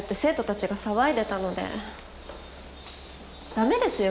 駄目ですよ